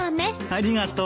ありがとう。